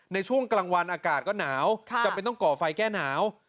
ในช่วงกลางวันอากาศก็หนาวจำเป็นต้องก่อไฟแก้หนาว